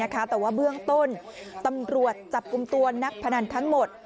แต่ว่าเบื้องต้นตำรวจจับกลุ่มตัวนักพนันทั้งหมด